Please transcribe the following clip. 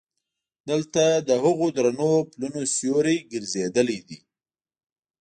دلته د هغو درنو پلونو سیوري ګرځېدلی دي.